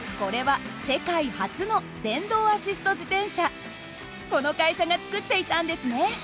これはこの会社が作っていたんですね。